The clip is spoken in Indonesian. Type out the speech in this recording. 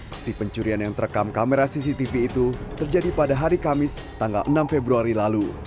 aksi pencurian yang terekam kamera cctv itu terjadi pada hari kamis tanggal enam februari lalu